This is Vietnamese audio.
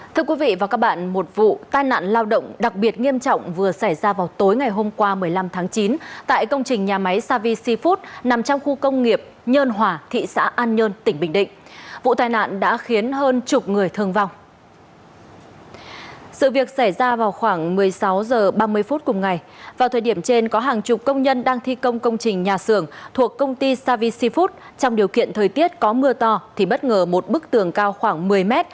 tại hiện trường thuộc công ty savi seafood trong điều kiện thời tiết có mưa to thì bất ngờ một bức tường cao khoảng một mươi m